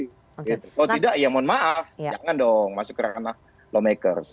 kalau tidak ya mohon maaf jangan dong masuk ke ranah law makers